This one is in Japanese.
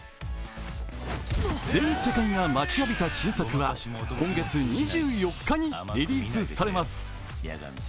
全世界が待ちわびた新作は今月２４日にリリースされます。